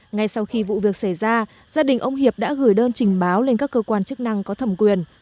ngay sau khi vụ việc xảy ra gia đình ông hiệp đã gửi đơn trình báo lên các cơ quan chức năng có thẩm quyền